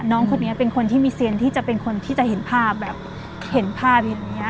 น้องคนนี้เป็นคนที่มีเซียนที่จะเป็นคนที่จะเห็นภาพแบบเห็นภาพอย่างนี้